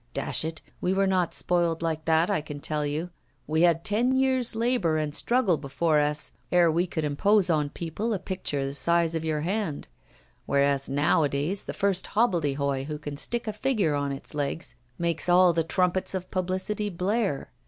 Dash it! We were not spoiled like that, I can tell you. We had ten years' labour and struggle before us ere we could impose on people a picture the size of your hand; whereas nowadays the first hobbledehoy who can stick a figure on its legs makes all the trumpets of publicity blare.